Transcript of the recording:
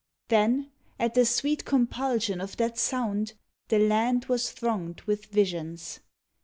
Then, at the sweet compulsion of that sound, The land was thronged with visions.